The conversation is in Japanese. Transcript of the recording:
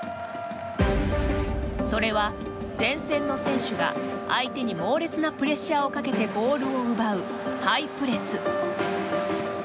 それは、前線の選手が相手に猛烈なプレッシャーをかけてボールを奪うハイプレス。